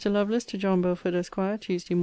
LOVELACE, TO JOHN BELFORD, ESQ. TUESDAY MORN.